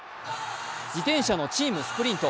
自転車のチームスプリント。